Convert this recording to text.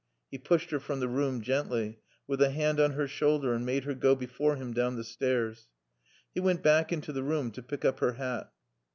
He pushed her from the room, gently, with a hand on her shoulder, and made her go before him down the stairs. He went back into the room to pick up her hat.